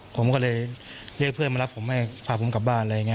ผมก็เลยเรียกเพื่อนมารับผมให้พาผมกลับบ้านอะไรอย่างนี้